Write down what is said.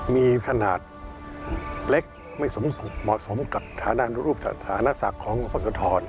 มีขนาดเล็กไม่เหมาะสมกับฐานะรูปฐานะศักดิ์ของวัดสุทธรณ์